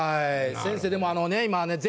先生でもあのね今。